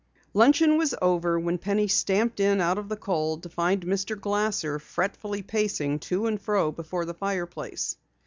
Luncheon was over when Penny stamped in out of the cold to find Mr. Glasser fretfully pacing to and fro before the fireplace.